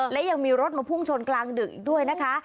และยังมีรถมาพุ่งชนกลางดึกอีกด้วยนะคะ